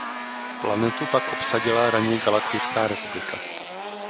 Planetu pak obsadila Galaktická republika.